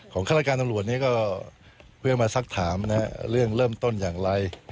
ข้าราชการตำรวจนี้ก็เพื่อมาสักถามเรื่องเริ่มต้นอย่างไร